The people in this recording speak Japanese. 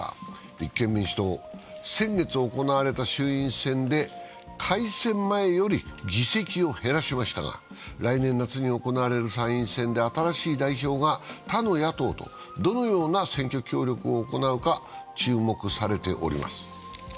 立憲民主党、先月行われた衆院選で改選前より議席を減らしましたが、来年夏に行われる参院選で新しい代表が他の野党とどのような選挙協力を行うか、注目されております。